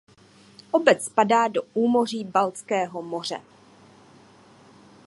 Obec spadá do úmoří Baltského moře.